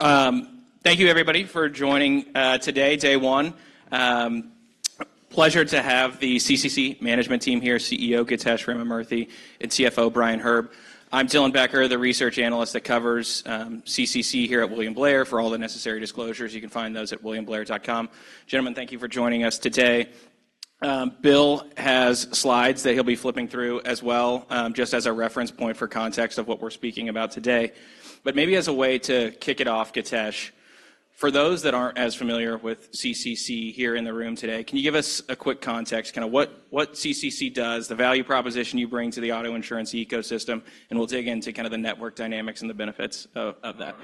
Awesome. Thank you, everybody, for joining today, day one. Pleasure to have the CCC management team here, CEO, Githesh Ramamurthy, and CFO, Brian Herb. I'm Dylan Becker, the Research Analyst that covers CCC here at William Blair. For all the necessary disclosures, you can find those at williamblair.com. Gentlemen, thank you for joining us today. Bill has slides that he'll be flipping through as well, just as a reference point for context of what we're speaking about today. But maybe as a way to kick it off, Githesh, for those that aren't as familiar with CCC here in the room today, can you give us a quick context, kind of what CCC does, the value proposition you bring to the auto insurance ecosystem, and we'll dig into kind of the network dynamics and the benefits of that?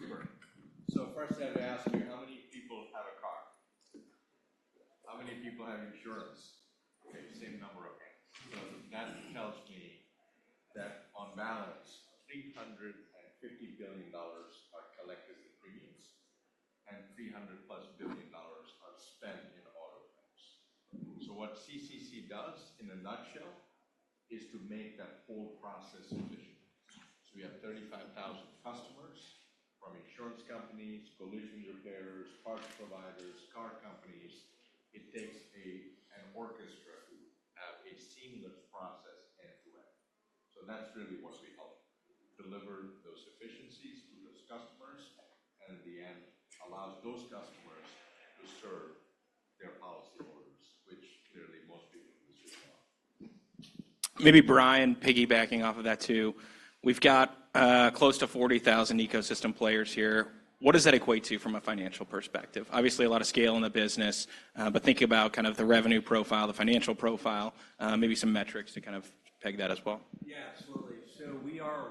Super. So first, I have to ask you, how many people have a car? How many people have insurance? Okay, same number, okay. So that tells me that on balance, $350 billion are collected as premiums, and $300+ billion are spent in auto claims. So what CCC does, in a nutshell, is to make that whole process efficient. So we have 35,000 customers, from insurance companies, collision repairers, parts providers, car companies. It takes an orchestra to have a seamless process end to end. So that's really what we help deliver those efficiencies to those customers, and at the end, allows those customers to serve their policyholders, which clearly most people in this room are. Maybe, Brian, piggybacking off of that, too. We've got close to 40,000 ecosystem players here. What does that equate to from a financial perspective? Obviously, a lot of scale in the business, but think about kind of the revenue profile, the financial profile, maybe some metrics to kind of peg that as well. Yeah, absolutely. So we are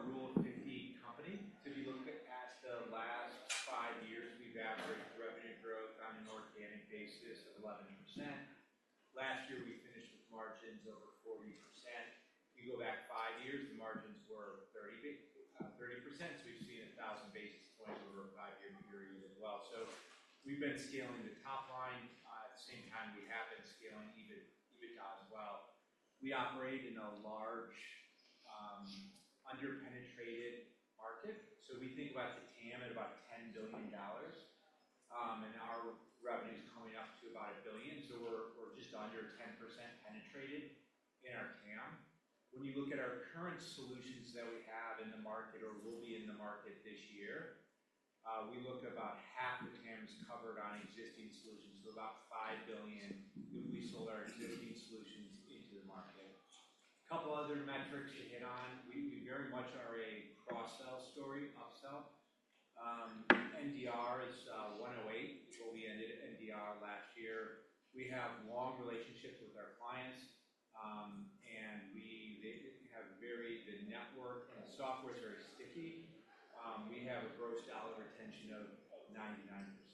a Rule 50 company. So if you look at the last five years, we've averaged revenue growth on an organic basis of 11%. Last year, we finished with margins over 40%. If you go back five years, the margins were thirty, thirty percent. So we've seen 1,000 basis points over a five-year period as well. So we've been scaling the top line. At the same time, we have been scaling EBIT, EBITDA as well. We operate in a large, underpenetrated market, so we think about the TAM at about $10 billion. And our revenue is coming up to about $1 billion, so we're, we're just under 10% penetrated in our TAM. When you look at our current solutions that we have in the market or will be in the market this year, we look about half the TAM is covered on existing solutions, so about $5 billion, if we sold our existing solutions into the market. Couple other metrics to hit on. We very much are a cross-sell story, up-sell. NDR is 108, which is where we ended NDR last year. We have long relationships with our clients, and we—they have very... The network and software is very sticky. We have a gross dollar retention of 99%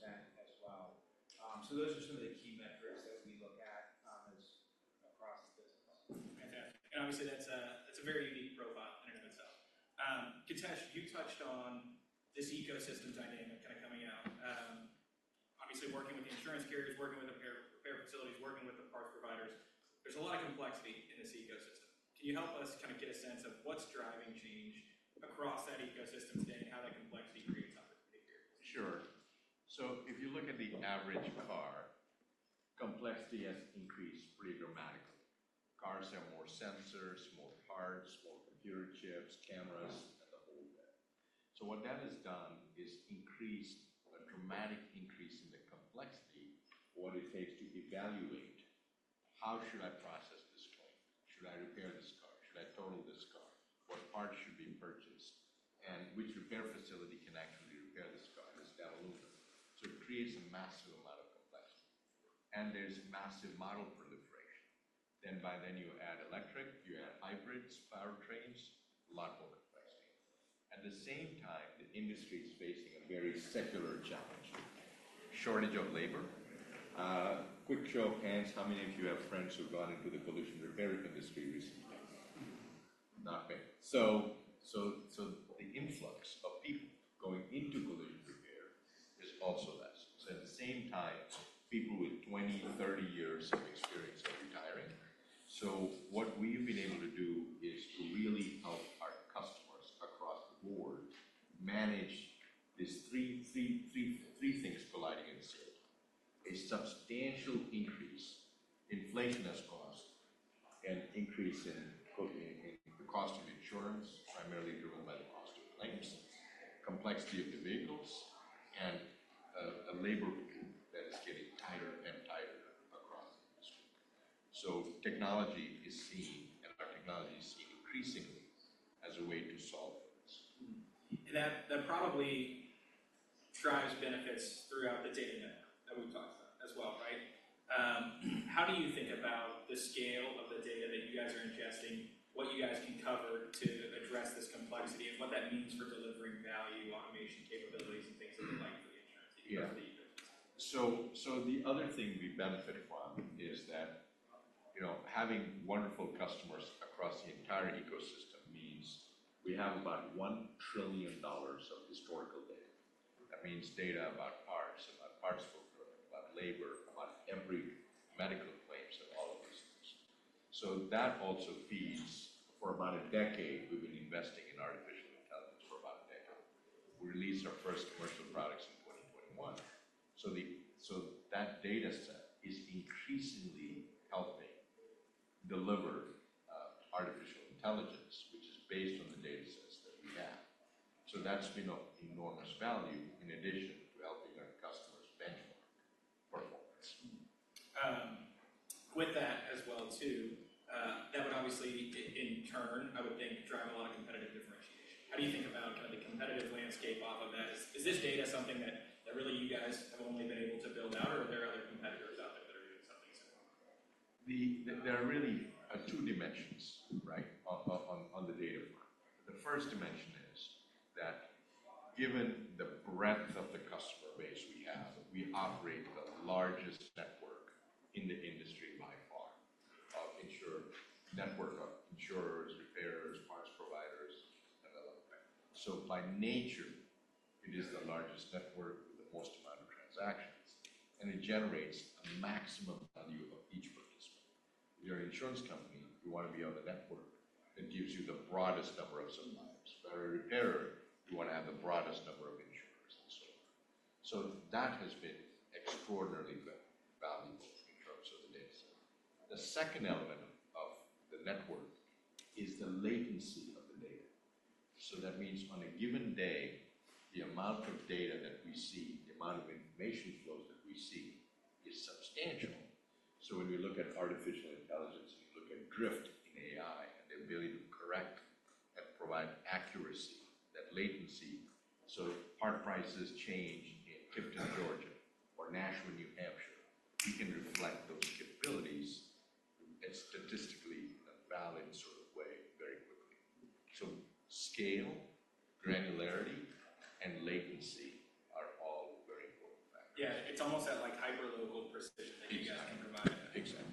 as well. So those are some of the key metrics that we look at as across the business. Fantastic. And obviously, that's a, that's a very unique profile in and of itself. Githesh, you touched on this ecosystem's dynamic kind of coming out. Obviously, working with the insurance carriers, working with the repair facilities, working with the parts providers. There's a lot of complexity in this ecosystem. Can you help us kind of get a sense of what's driving change across that ecosystem today and how that complexity creates opportunity? Sure. So if you look at the average car, complexity has increased pretty dramatically. Cars have more sensors, more parts, more computer chips, cameras, and the whole bit. So what that has done is increased a dramatic increase in the complexity of what it takes to evaluate, how should I process this claim? Should I repair this car? Should I total this car? What parts should be purchased? And which repair facility can actually repair this car? It's got aluminum. So it creates a massive amount of complexity, and there's massive model proliferation. Then by then, you add electric, you add hybrids, powertrains, a lot more complexity. At the same time, the industry is facing a very secular challenge, shortage of labor. Quick show of hands, how many of you have friends who've gone into the collision repair industry recently? Not many. So the influx of people going into collision repair is also less. So at the same time, people with 20-30 years of experience are retiring. So what we've been able to do is to really help our customers across the board manage these three things colliding in state. A substantial increase, inflation as cost, and increase in quote, "The cost of insurance," primarily driven by the cost of claims, complexity of the vehicles, and a labor pool that is getting tighter and tighter across the industry. So technology is seen, and our technology is seen increasingly as a way to solve this. And that probably drives benefits throughout the data network that we've talked about as well, right? How do you think about the scale of the data that you guys are ingesting, what you guys can cover to address this complexity, and what that means for delivering value, automation capabilities, and things of that like for the insurance industry? Yeah. So the other thing we benefited from is that, you know, having wonderful customers across the entire ecosystem means we have about $1 trillion of historical data. That means data about cars, about parts footprint, about labor, about every medical claims. So that also feeds. For about a decade, we've been investing in Artificial Intelligence for about a decade. We released our first commercial products in 2021. So that data set is increasingly helping deliver Artificial Intelligence, which is based on the data sets that we have. So that's been of enormous value in addition to helping our customers benchmark performance. With that as well, too, that would obviously, in turn, I would think, drive a lot of competitive differentiation. How do you think about kind of the competitive landscape off of that? Is this data something that really you guys have only been able to build out, or are there other competitors out there that are doing something similar? There are really two dimensions, right? On the data front. The first dimension is that given the breadth of the customer base we have, we operate the largest network in the industry by far of insurer, network of insurers, repairers, parts providers, and all of that. So by nature, it is the largest network with the most amount of transactions, and it generates a maximum value of each participant. If you're an insurance company, you want to be on the network that gives you the broadest number of suppliers. If you're a repairer, you want to have the broadest number of insurers, and so on. So that has been extraordinarily valuable in terms of the data set. The second element of the network is the latency of the data. So that means on a given day, the amount of data that we see, the amount of information flows that we see, is substantial. So when we look at artificial intelligence, we look at drift in AI and the ability to correct and provide accuracy, that latency. So if part prices change in Tifton, Georgia, or Nashua, New Hampshire, we can reflect those capabilities in a statistically valid sort of way very quickly. So scale, granularity, and latency are all very important factors. Yeah, it's almost at like hyper-local precision- Exactly. -that you guys can provide. Exactly.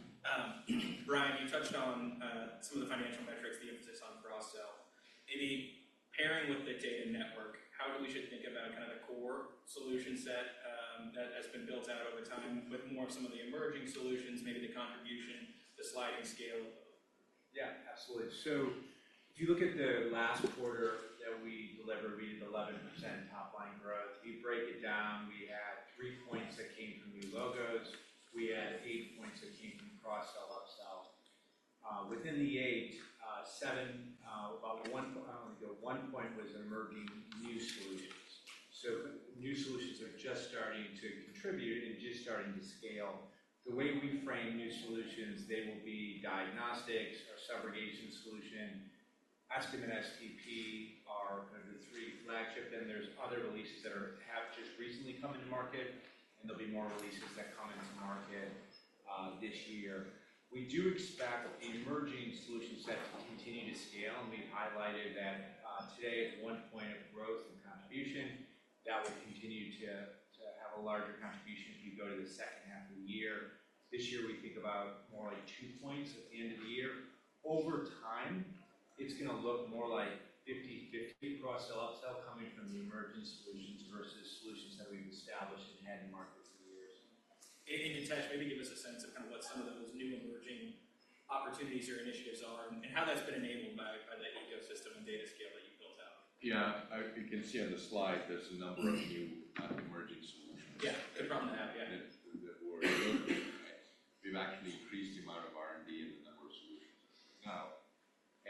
Brian, you touched on some of the financial metrics, the emphasis on cross-sell. Any pairing with the data network, how we should think about kind of the core solution set, that has been built out over time, but more of some of the emerging solutions, maybe the contribution, the sliding scale? Yeah, absolutely. So if you look at the last quarter that we delivered, we did 11% top-line growth. We break it down, we had three points that came from new logos. We had eight points that came from cross-sell, up-sell. Within the eight, seven, about one-- one point was emerging new solutions. So new solutions are just starting to contribute and just starting to scale. The way we frame new solutions, they will be diagnostics, our subrogation solution. Estimate-STP are kind of the three flagship. Then there's other releases that are-- have just recently come into market, and there'll be more releases that come into market, this year. We do expect the emerging solution set to continue to scale, and we've highlighted that today at one point of growth and contribution, that will continue to have a larger contribution if you go to the second half of the year. This year, we think about more like two points at the end of the year. Over time, it's gonna look more like 50/50 cross-sell, up-sell coming from the emerging solutions versus solutions that we've established and had in market for years. Githesh, maybe give us a sense of kind of what some of those new emerging opportunities or initiatives are and how that's been enabled by, by the ecosystem and data scale that you've built out. Yeah, you can see on the slide, there's a number of new emerging solutions. Yeah, they're from that, yeah. That we're building. We've actually increased the amount of R&D in the number of solutions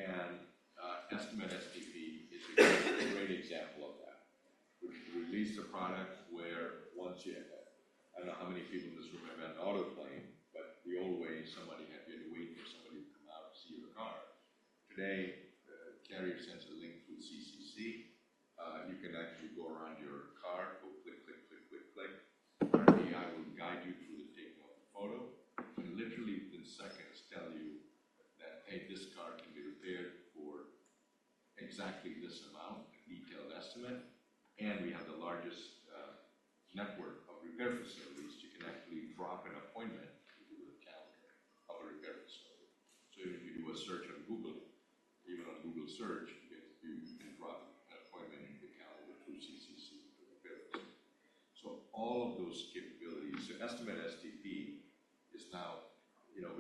now. And, Estimate-STP is a great example of that. We released a product where once you... I don't know how many people in this room have had an auto claim, but the old way, somebody had been waiting for somebody to come out to see your car. Today, the carrier sends a link through CCC, you can actually go around your car, go click, click, click, click, click. The AI will guide you through the taking of the photo, and literally within seconds tell you that, "Hey, this car can be repaired for exactly this amount," a detailed estimate. And we have the largest network of repair facilities to connect the drop and appointment to the calendar of the repair facility. So if you do a search on Google, even on Google search, you can drop an appointment into the calendar through CCC Repair. So all of those capabilities. So Estimate-STP is now, you know,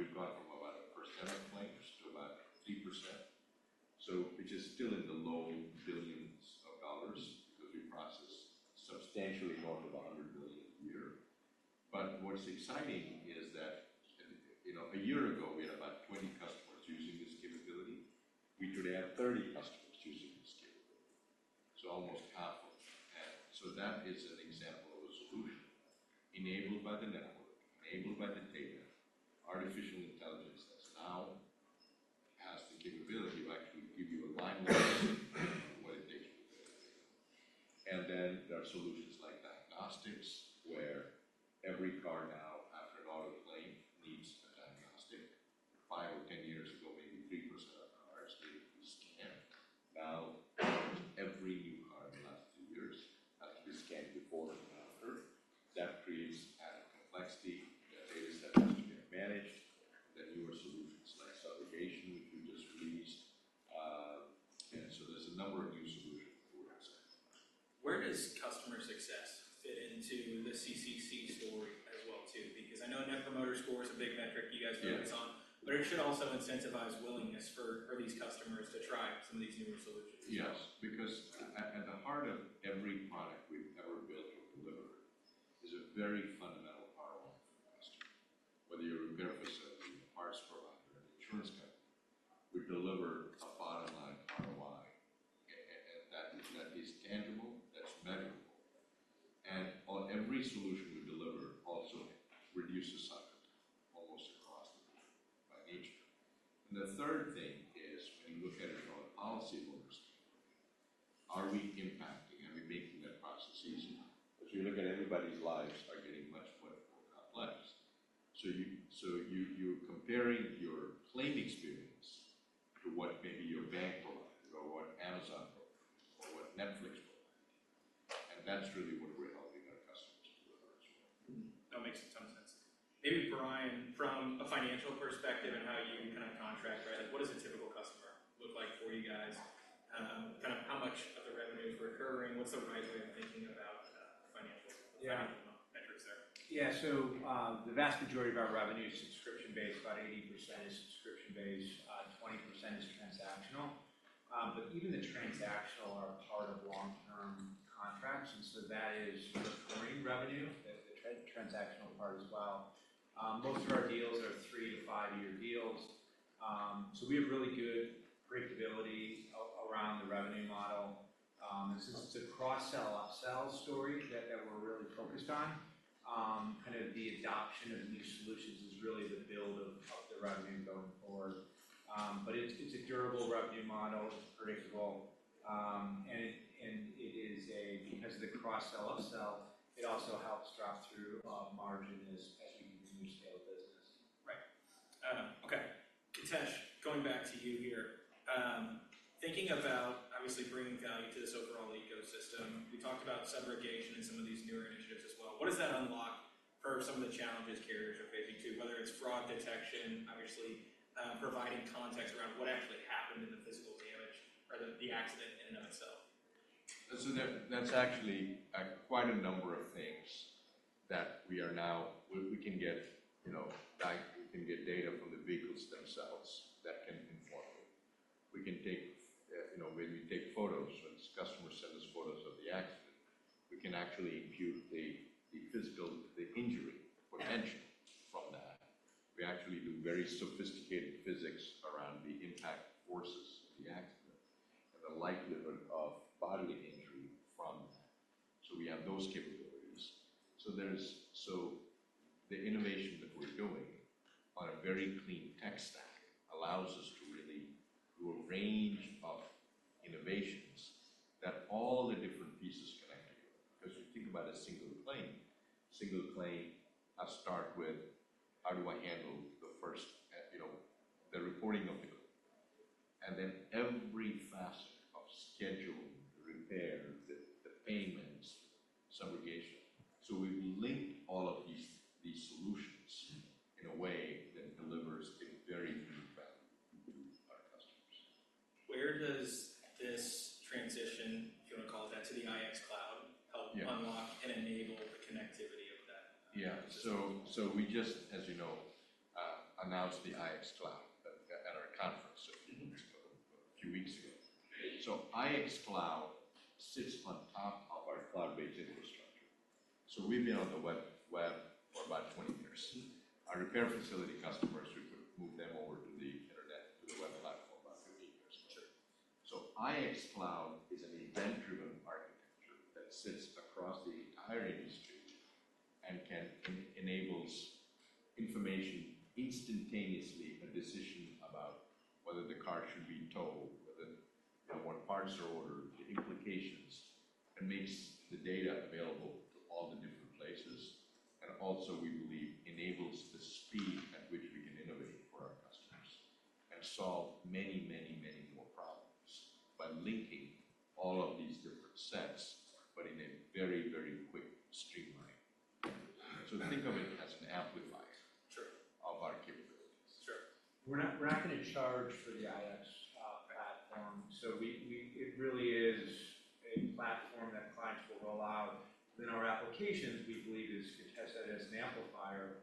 we've gone from about 1% of claims to about 3%. So which is still in the low billions of dollars because we process substantially more than $100 billion a year. But what's exciting is that, you know, a year ago, we had about 20 customers using this capability. We today have 30 customers using this capability. So almost doubled. And so that is an example of a solution enabled by the network, every solution we deliver also reduces cycles almost across the board by nature. And the third thing is, when you look at it from a policy holder standpoint, are we impacting, are we making that process easier? Because you look at everybody's lives are getting much more complex. So you, you're comparing your claim experience to what maybe your bank provides or what Amazon provides or what Netflix provides, and that's really what we're helping our customers deliver as well. That makes a ton of sense. Maybe, Brian, from a financial perspective and how you kind of contract, right? What does a typical customer look like for you guys? Kind of how much of the revenue is recurring? What's the right way of thinking about financial- Yeah. Metrics there? Yeah. So, the vast majority of our revenue is subscription-based. About 80% is subscription-based, 20% is transactional. But even the transactional are part of long-term contracts, and so that is recurring revenue, the transactional part as well. Most of our deals are three to five-year deals. So we have really good predictability around the revenue model. It's a cross-sell, upsell story that we're really focused on. Kind of the adoption of new solutions is really the build of the revenue going forward. But it's a durable revenue model. It's predictable, and it is a, because of the cross-sell, upsell, it also helps drop through margin as we do scale business. Right. Okay. Githesh, going back to you here. Thinking about obviously bringing value to this overall ecosystem, we talked about subrogation and some of these newer initiatives as well. What does that unlock for some of the challenges carriers are facing, too? Whether it's fraud detection, obviously, providing context around what actually happened in the physical damage or the accident in and of itself. So that's actually quite a number of things that we are now. We can get, you know, back data from the vehicles themselves that can inform it. We can take, you know, maybe take photos, or the customer send us photos of the accident. We can actually impute the physical injury or the injury from that. We actually do very sophisticated physics around the impact forces of the accident and the likelihood of bodily injury from that. So we have those capabilities. So the innovation that we're doing on a very clean tech stack allows us to really do a range of innovations that all the different pieces connect to. Because you think about a single claim, single claim, I start with, how do I handle the first, you know, the reporting of the claim? And then every facet of scheduling, the repair, the payments, subrogation. So we link all of these solutions in a way that delivers a very unique value to our customers. Where does this transition, if you want to call it that, to the IX Cloud help- Yeah. unlock and enable the connectivity of that? Yeah. So, we just, as you know, announced the IX Cloud at our conference a few weeks ago. A few weeks ago. So IX Cloud sits on top of our cloud-based infrastructure. So we've been on the web for about 20 years. Mm-hmm. Our repair facility customers, we moved them over to the internet, to the web platform, about 15 years or so. So IX Cloud is an event-driven architecture that sits across the entire industry and enables information instantaneously, a decision about whether the car should be towed, whether, you know, what parts are ordered, the implications, and makes the data available to all the different places, and also, we believe, enables the speed at which we can innovate for our customers and solve many, many, many more problems by linking all of these different sets, but in a very, very quick, streamlined. So think of it as an amplifier- Sure. of our capabilities. Sure. We're not going to charge for the IX platform, so it really is a platform that clients will roll out. Then our applications, we believe, is to test that as an amplifier,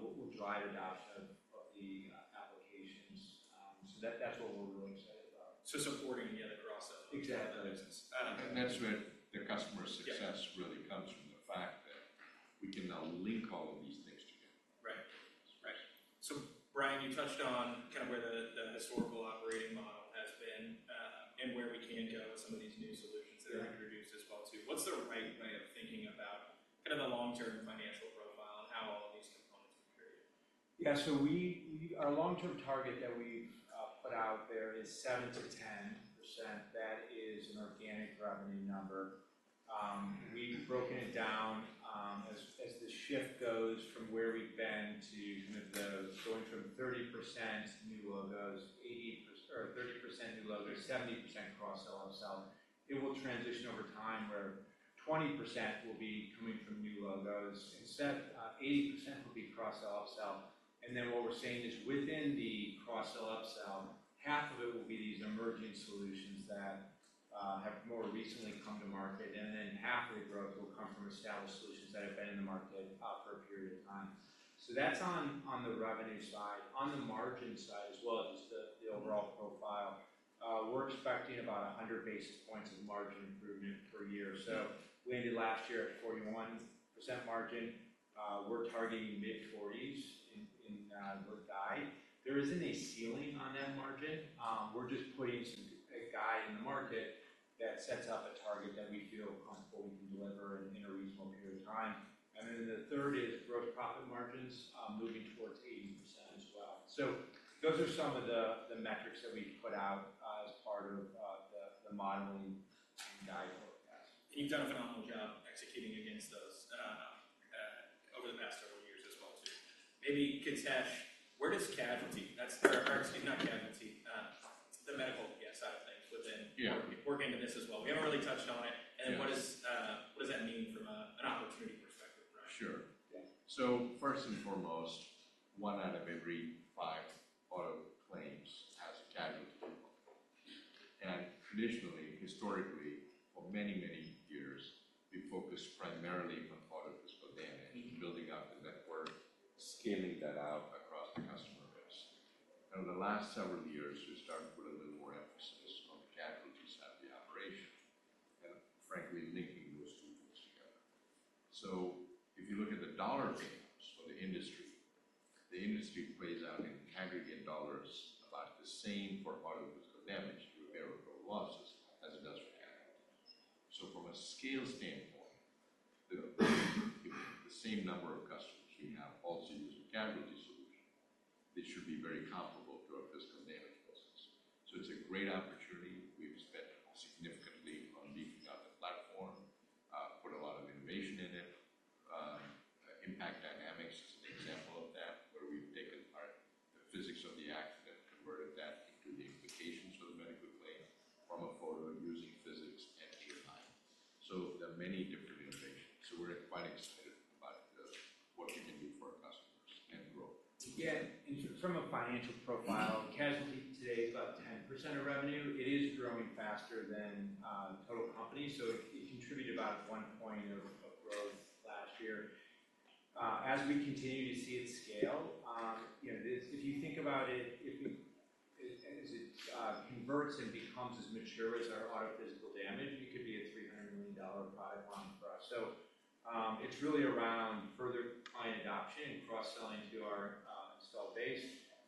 what will drive adoption of the applications. So that, that's what we're really excited about. So supporting again across that- Exactly. And that's where the customer success- Yeah really comes from the fact that we can now link all of these things together. Right. Right. So, Brian, you touched on kind of where the historical operating model has been, and where we can go with some of these new solutions- Yeah -that are introduced as well, too. What's the right way of thinking about kind of the long-term financial profile and how all of these components integrate? Yeah, so our long-term target that we've put out there is 7%-10%. That is an organic revenue number. We've broken it down. Shift goes from where we've been to kind of the going from 30% new logos, 80, or 30% new logos, 70% cross-sell, upsell. It will transition over time, where 20% will be coming from new logos, instead, 80% will be cross-sell, upsell. And then what we're seeing is within the cross-sell, upsell, half of it will be these emerging solutions that have more recently come to market, and then half the growth will come from established solutions that have been in the market for a period of time. So that's on the revenue side. On the margin side, as well as the overall profile, we're expecting about 100 basis points of margin improvement per year. So we ended last year at 41% margin. We're targeting mid-40s in the guide. There isn't a ceiling on that margin. We're just putting a guide in the market that sets out a target that we feel comfortable we can deliver in a reasonable period of time. And then the third is gross profit margins moving towards 80% as well. So those are some of the metrics that we put out as part of the modeling guide forecast. You've done a phenomenal job executing against those, over the past several years as well, too. Maybe, Githesh, where does casualty? That's, or excuse me, not casualty, the medical side of things within- Yeah. working into this as well. We haven't really touched on it. Yeah. What does that mean from an opportunity perspective, Brian? Sure. Yeah. So first and foremost, one out of every five auto claims has casualty. And traditionally, historically, for many, many years, we focused primarily on auto physical damage, building out the network, scaling that out across the customer base. Over the last several years,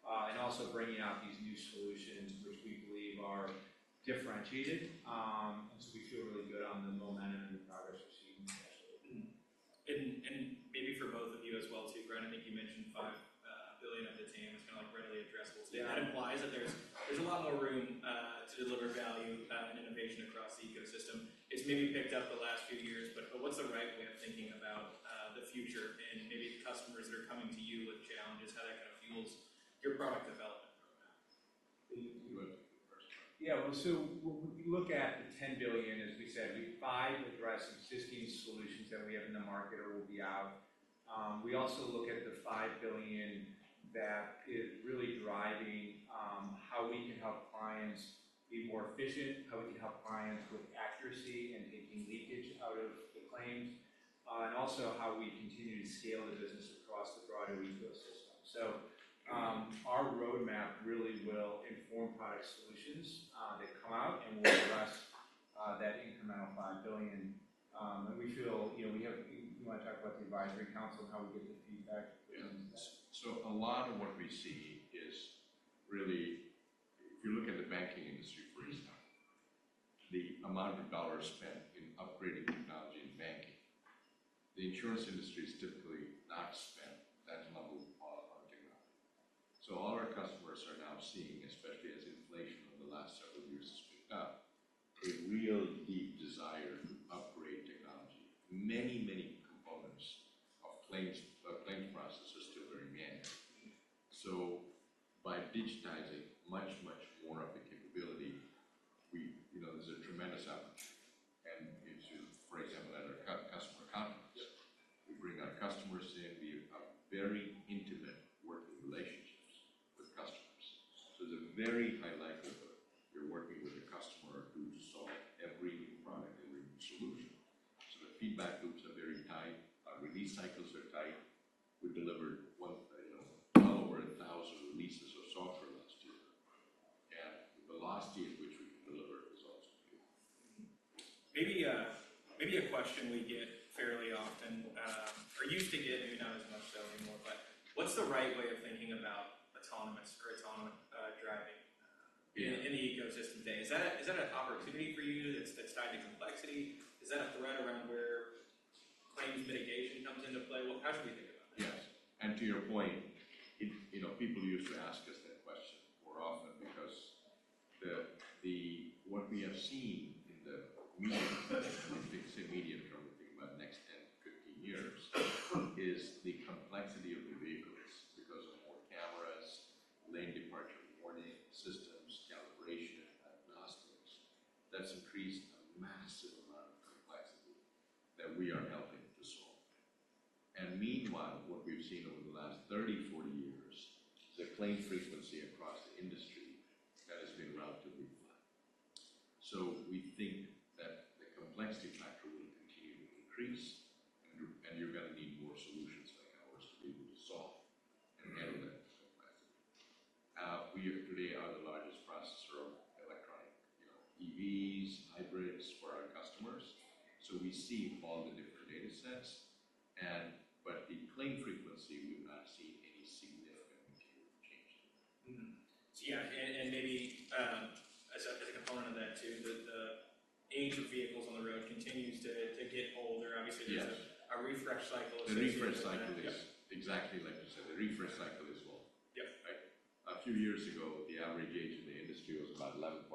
and also bringing out these new solutions, which we believe are differentiated. So we feel really good on the momentum and the progress we've seen. Mm-hmm. And maybe for both of you as well, too, Brian, I think you mentioned $5 billion of the TAM is kinda like readily addressable. Yeah. That implies that there's, there's a lot more room to deliver value and innovation across the ecosystem. It's maybe picked up the last few years, but, but what's the right way of thinking about the future and maybe customers that are coming to you with challenges, how that kind of fuels your product development program? You first. Yeah, so we look at the $10 billion, as we said, the $5 billion addressing existing solutions that we have in the market or will be out. We also look at the $5 billion that is really driving how we can help clients be more efficient, how we can help clients with accuracy and taking leakage out of the claims, and also how we continue to scale the business across the broader ecosystem. So, our roadmap really will inform product solutions that come out, and we'll address that incremental $5 billion. And we feel, you know, we have— you want to talk about the advisory council and how we get the feedback? Yeah. So a lot of what we see is really... If you look at the banking industry, for instance, the amount of dollars spent in upgrading technology in banking, the insurance industry is typically not spent that level of quality on technology. So all our customers are now seeing, especially as inflation over the last several years has picked up, a real deep desire to upgrade technology. Many, many components of claims, of claims processes are still very manual. So by digitizing much, much more of the capability, we, you know, there's a tremendous opportunity. And it's, for example, at our customer conference, we bring our customers in. We have very intimate working relationships with customers. So the very high likelihood you're working with a customer who saw every new product, every new solution. So the feedback loops are very tight. Our release cycles are tight. We delivered one, you know, well over 1,000 releases of software last year, and the velocity at which we can deliver results. Mm-hmm. Maybe, maybe a question we get fairly often, or used to get, maybe not as much so anymore, but what's the right way of thinking about autonomous or autonomous, driving- Yeah. in the ecosystem today? Is that a, is that an opportunity for you that's, that's tied to complexity? Is that a threat around where claims mitigation comes into play? Well, how should we-... And to your point, it, you know, people used to ask us that question more often because the-- what we have seen in the medium, when we say medium-term, we think about the next 10, 15 years, is the complexity of the vehicles because of more cameras, lane departure warning systems, calibration, diagnostics. That's increased a massive amount of complexity that we are helping to solve. And meanwhile, what we've seen over the last 30, 40 years, the claim frequency across the industry, that has been relatively flat. So we think that the complexity factor will continue to increase, and you're going to need more solutions like ours to be able to solve and handle that complexity. We today are the largest processor of electronic, you know, EVs, hybrids for our customers, so we see all the different data sets and but the claim frequency, we've not seen any significant change. Mm-hmm. So yeah, and maybe, as a component of that, too, the age of vehicles on the road continues to get older. Obviously- Yes. There's a refresh cycle. The refresh cycle, yes, exactly like you said. The refresh cycle is well. Yes. Right? A few years ago, the average age in the industry was about 11.5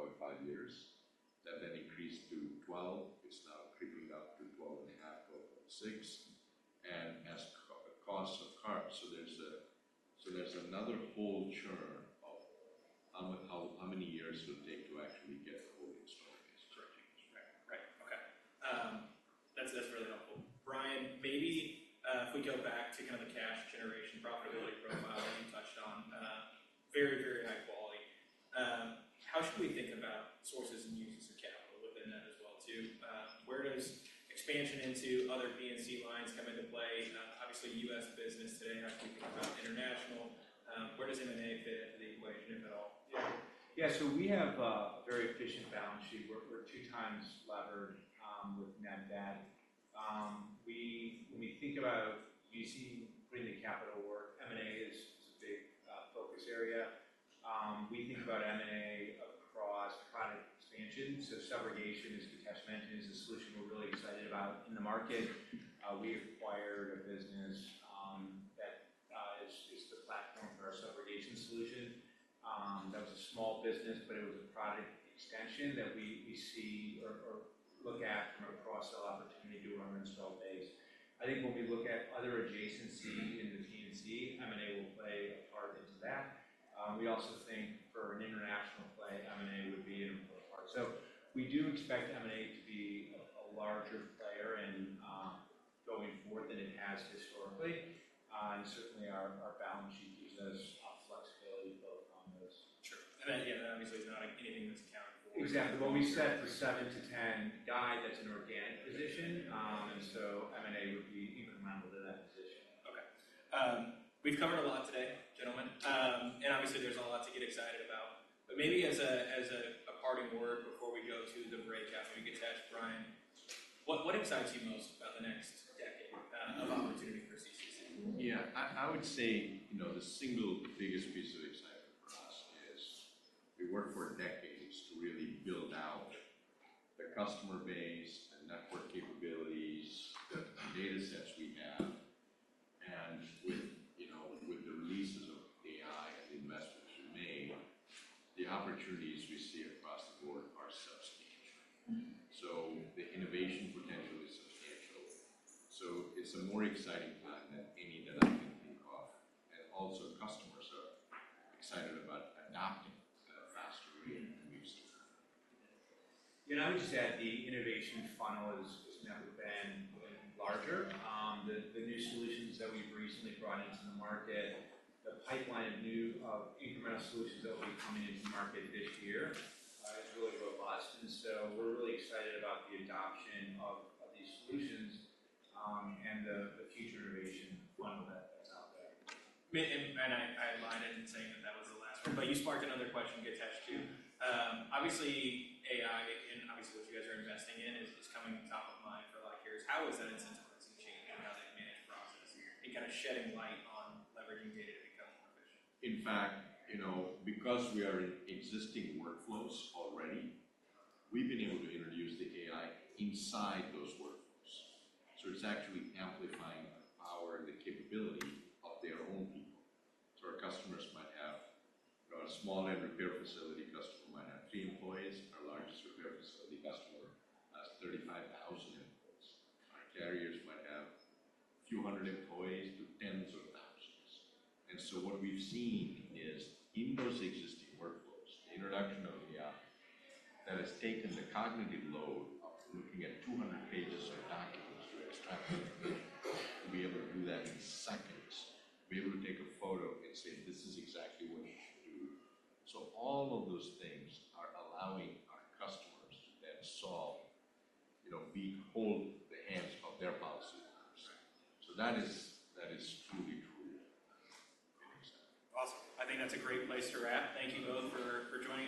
years. That then increased to 12. It's now creeping up to 12.5, 12.6, and as costs of cars. So there's another whole churn of how many years it will take to actually get the whole installed base to change. Right. Right. Okay. That's really helpful. Brian, maybe if we go back to kind of the cash generation profitability profile that you touched on, very, very high quality. How should we think about sources and uses of capital within that as well, too? Where does expansion into other P&C lines come into play? Obviously, U.S. business today, how do you think about international? Where does M&A fit into the equation, if at all? Yeah, so we have a very efficient balance sheet. We're 2x levered with net debt. When we think about putting the capital to work, M&A is a big focus area. We think about M&A across product expansion, so subrogation, as Githesh mentioned, is a solution we're really excited about in the market. We acquired a business that is the platform for our subrogation solution. That was a small business, but it was a product extension that we see or look at from a cross-sell opportunity to our install base. I think when we look at other adjacency in the P&C, M&A will play a part into that. We also think for an international play, M&A would be an important part. So we do expect M&A to be a larger player in going forward than it has historically. And certainly, our balance sheet gives us flexibility both on those. Sure. Again, obviously, it's not like anything that's accountable. Exactly. When we set the 7-10 guide, that's an organic position, and so M&A would be in line with that position. Okay. We've covered a lot today, gentlemen. And obviously, there's a lot to get excited about. But maybe as a parting word before we go to the break, after you get Githesh, Brian, what excites you most about the next decade of opportunity for CCC? Yeah, I, I would say, you know, the single biggest piece of excitement for us is we worked for decades to really build out the customer base, the network capabilities, the, the data sets we have. And with, you know, with the releases of AI and the investments we've made, the opportunities we see across the board are substantial. Mm-hmm. So the innovation potential is substantial. So it's a more exciting time than any that I can think of, and also, customers are excited about adopting faster and we've seen. You know, I would just add the innovation funnel has never been larger. The new solutions that we've recently brought into the market, the pipeline of new incremental solutions that will be coming into the market this year, is really robust, and so we're really excited about the adoption of these solutions, and the future innovation funnel that's out there. I admired it in saying that that was the last one, but you sparked another question, Githesh, too. Obviously, AI and obviously, what you guys are investing in is coming top of mind for a lot of years. How is that influencing how they manage process and kinda shedding light on leveraging data to become more efficient? In fact, you know, because we are in existing workflows already, we've been able to introduce the AI inside those workflows. So it's actually amplifying our, the capability of their own people. So our customers might have... A small end repair facility customer might have three employees, our largest repair facility customer has 35,000 employees. Our carriers might have a few hundred employees to tens of thousands. And so what we've seen is in those existing workflows, the introduction of AI, that has taken the cognitive load of looking at 200 pages of documents, to be able to do that in seconds, be able to take a photo and say, "This is exactly what we have to do." So all of those things are allowing our customers to then solve, you know, hold the hands of their policyholders. Right. That is, that is truly, truly exciting. Awesome. I think that's a great place to wrap. Thank you both for joining us.